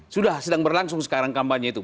sudah sedang berlangsung sekarang kampanye itu